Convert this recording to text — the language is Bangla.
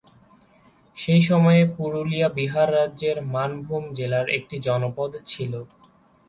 সেই সময়ে পুরুলিয়া বিহার রাজ্যের মানভূম জেলার একটি জনপদ ছিল।